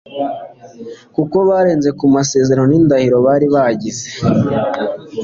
kuko barenze ku masezerano n'indahiro bari bagize